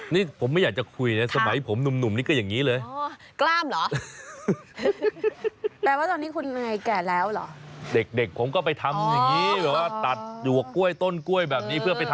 นี่ผมไม่อยากจะคุยนะสมัยผมหนุ่มนี่ก็อย่างนี้เลย